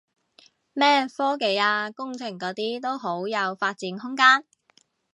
咩科技啊工程嗰啲都好有發展空間